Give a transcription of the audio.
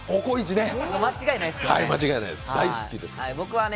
間違いないですね。